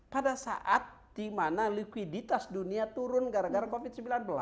pada saat di mana likuiditas dunia turun gara gara covid sembilan belas